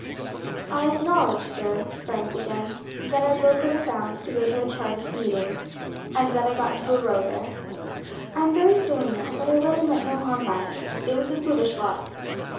"I acknowledge, sir," Frank began, "that I broke out of bounds to go to a Chartist meeting, and that I got into a row there. I am very sorry now, but I really meant no harm by it; it was a foolish lark."